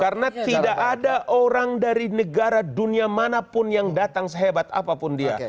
karena tidak ada orang dari negara dunia manapun yang datang sehebat apapun dia